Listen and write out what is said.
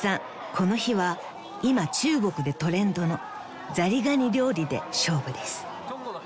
この日は今中国でトレンドのザリガニ料理で勝負です］